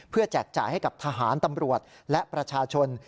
แจกจ่ายให้กับทหารตำรวจและประชาชน